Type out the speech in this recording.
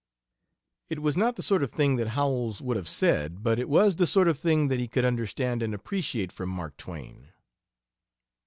It was not the sort of thing that Howells would have said, but it was the sort of thing that he could understand and appreciate from Mark Twain.